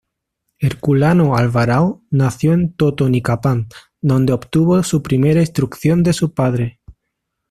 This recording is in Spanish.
Herculano Alvarado nació en Totonicapán, donde obtuvo su primera instrucción de su padre.